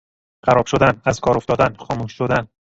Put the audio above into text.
خراب شدن، از کار افتادن، خاموش شدن